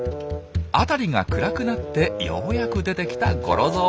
あたりが暗くなってようやく出てきたゴロゾウ。